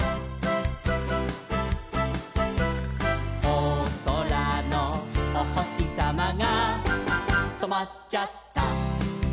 「おそらのおほしさまがとまっちゃった」